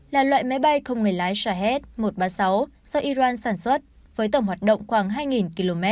là loại máy bay không người lái chhat một trăm ba mươi sáu do iran sản xuất với tổng hoạt động khoảng hai km